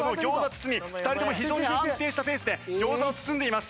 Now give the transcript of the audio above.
包み２人とも非常に安定したペースで餃子を包んでいます。